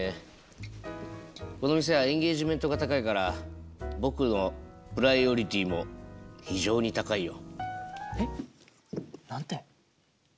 この店はエンゲージメントが高いから僕のプライオリティも非常に高いよ。